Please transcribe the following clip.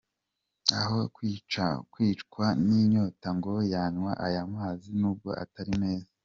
Aho kwicwa n’inyota ngo yanywa aya mazi nubwo atari meza.